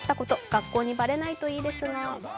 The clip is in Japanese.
学校にばれないといいですが。